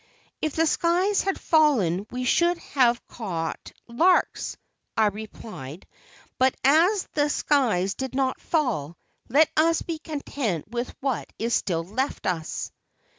"If the skies had fallen we should have caught larks," I replied; "but as the skies did not fall, let us be content with what is still left us."